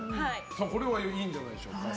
これはいいんじゃないでしょうか。